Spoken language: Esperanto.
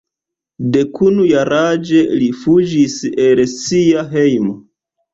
Dekunu jaraĝe li fuĝis el sia hejmo.